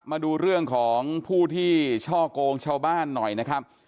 มาดูเรื่องของผู้ที่ช่อกงชาวบ้านหน่อยนะครับ